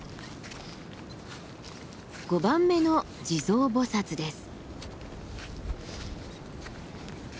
５番目の地蔵菩です。